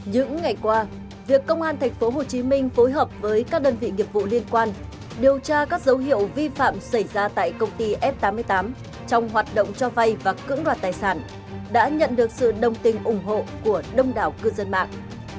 những ngày qua việc công an tp hcm phối hợp với các đơn vị nghiệp vụ liên quan điều tra các dấu hiệu vi phạm xảy ra tại công ty f tám mươi tám trong hoạt động cho vay và cưỡng đoạt tài sản đã nhận được sự đồng tình ủng hộ của đông đảo cư dân mạng